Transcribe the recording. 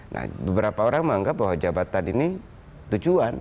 nah beberapa orang menganggap bahwa jabatan ini tujuan